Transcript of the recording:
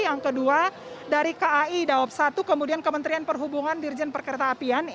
yang kedua dari kai dawab satu kemudian kementerian perhubungan dirjen perkereta apian